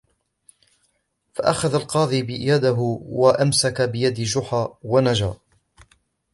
فأخذ القاضي يده وأمسك بيد جحا ونجا